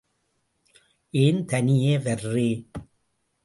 ஏன் தனியே வர்ரே?